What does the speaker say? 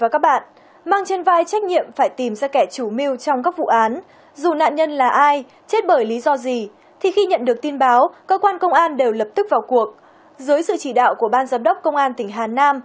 các bạn hãy đăng ký kênh để ủng hộ kênh của chúng mình nhé